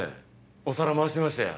お皿回してましたよ。